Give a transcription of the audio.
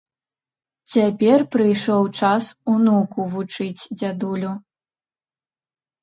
Цяпер прыйшоў час унуку вучыць дзядулю.